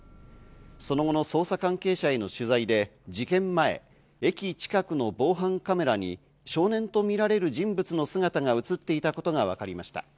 その後の捜査関係者への取材で事件前、駅近くの防犯カメラに少年とみられる人物の姿が映っていたことがわかりました。